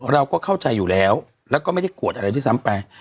เราก็เข้าใจอยู่แล้วแล้วก็ไม่ได้โกรธอะไรด้วยซ้ำไป